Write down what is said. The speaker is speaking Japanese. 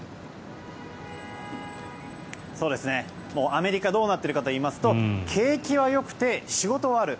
アメリカどうなっているかといいますと景気はよくて仕事はある。